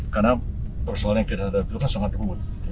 karena persoalan yang kita hadapi itu kan sangat teruk